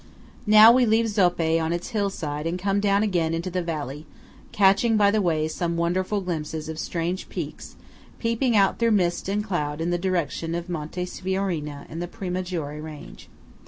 Now we leave Zoppé on its hill side and come down again into the valley, catching by the way some wonderful glimpses of strange peaks peeping out through mist and cloud in the direction of Monte Sfornioi and the Premaggiore range.